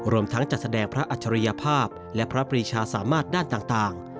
รวมทั้งจัดแสดงพระอัจฉริยภาพและพระปรีชาสามารถด้านต่าง